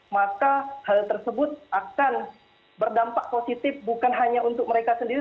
maka hal tersebut akan berdampak positif bukan hanya untuk mereka sendiri